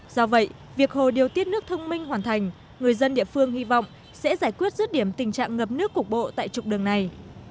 do vậy việc hồ điều tiết nước thông minh hoàn thành người dân địa phương hy vọng sẽ giải quyết rứt điểm tình trạng ngập nước cục bộ tại trục đường này